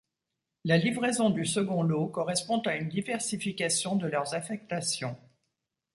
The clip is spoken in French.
La livraison du second lot correspond à une diversification de leurs affectations.